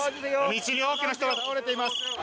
道に多くの人が倒れています。